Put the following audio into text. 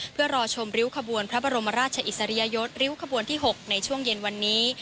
เพื่อรอชมริ้วขบวนพระบรมราชอิสริยยศริ้วขบวนที่๖ในช่วงเย็นวันนี้